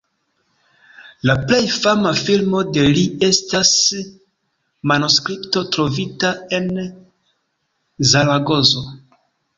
La plej fama filmo de li estas "Manuskripto trovita en Zaragozo".